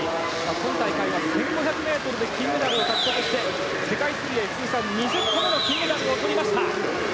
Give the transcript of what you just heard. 今大会は１５００ｍで金メダルを獲得して世界水泳通算２０個目の金メダルをとりました。